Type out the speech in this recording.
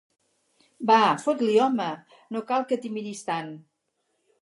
Va, fot-li, home: no cal que t'hi miris tant!